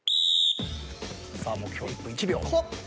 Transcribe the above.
目標の１分１秒。